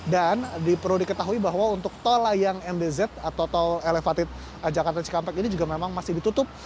dan perlu diketahui bahwa untuk tol layang mbz atau tol elevated jakarta cikampek ini juga memang masih ditutup